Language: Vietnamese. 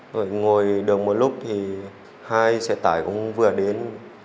rồi ngồi đường một lúc thì hai xe tải cũng vừa đến